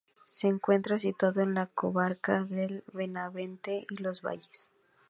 Se encuentra situado en la comarca de Benavente y Los Valles.